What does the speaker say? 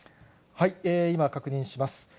今、確認します。